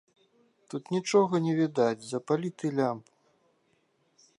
Тут нічога не відаць, запалі ты лямпу!